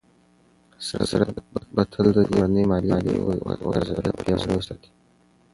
سره زر به تل د دې کورنۍ مالي وضعيت پياوړی وساتي.